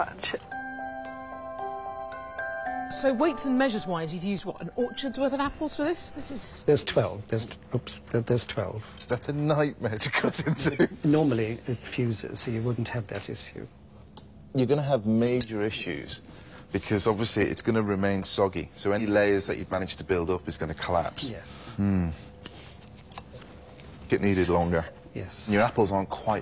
はい。